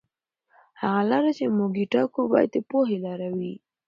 هغه لاره چې موږ یې ټاکو باید د پوهې لاره وي.